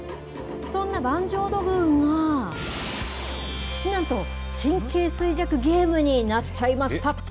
そんな板状土偶が、なんと、神経衰弱ゲームになっちゃいました。